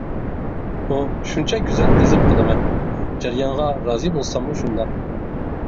ئۇ شۇنچە گۈزەل ئېزىپ قالىمەن، جەريانغا رازى بولساممۇ شۇنداق.